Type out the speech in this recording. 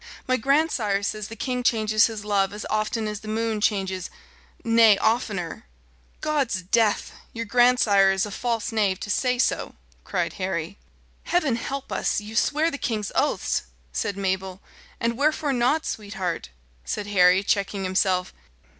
"My grandsire says the king changes his love as often as the moon changes nay, oftener." "God's death! your grandsire is a false knave to say so! cried Harry. "Heaven help us! you swear the king's oaths," said Mabel. "And wherefore not, sweetheart?" said Harry, checking himself.